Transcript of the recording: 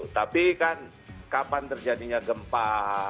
tapi kan kapan terjadinya gempa